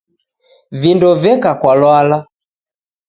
Vindo veka kwa lwala